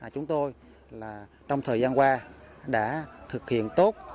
chúng tôi trong thời gian qua đã thực hiện tốt